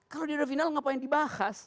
kalau dia udah final ngapain dibahas